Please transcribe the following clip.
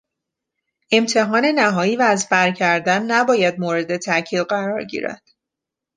امتحان نهایی و از برکردن نباید مورد تاکید قرار گیرد.